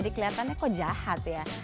jadi kelihatannya kok jahat ya